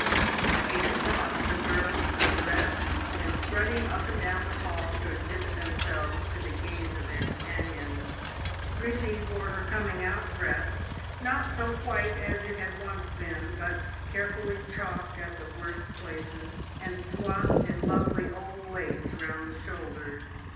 By eight o'clock the girls were dressed and strutting up and down the hall to exhibit themselves to the gaze of their companions. Bridgie wore her coming out dress not so white as it had once been, but carefully chalked at the worst places, and swathed in lovely old lace round the shoulders.